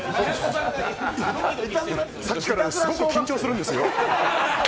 さっきからすごく緊張するんですよ